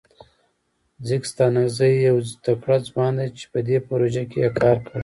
ځیګ ستانکزی یو تکړه ځوان ده چه په دې پروژه کې یې کار کړی.